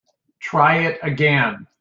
Try it again.